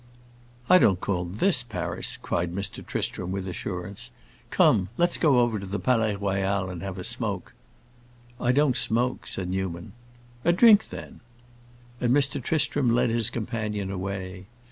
"I don't call this Paris!" cried Mr. Tristram, with assurance. "Come; let's go over to the Palais Royal and have a smoke." "I don't smoke," said Newman. "A drink, then." And Mr. Tristram led his companion away.